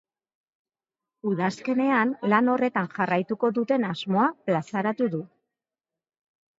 Udazkenean lan horretan jarraituko duten asmoa plazaratu du.